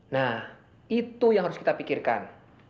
nah itu yang harus kita pikirkan